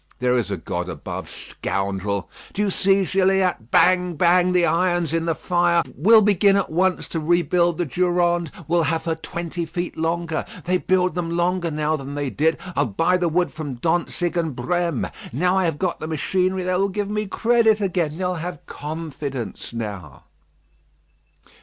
There is a God above, scoundrel! Do you see, Gilliatt, bang! bang! the irons in the fire; we'll begin at once to rebuild the Durande. We'll have her twenty feet longer. They build them longer now than they did. I'll buy the wood from Dantzic and Brême. Now I have got the machinery they will give me credit again. They'll have confidence now."